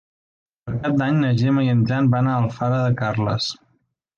Per Cap d'Any na Gemma i en Jan van a Alfara de Carles.